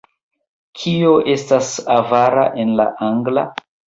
Kio estas avara en la angla?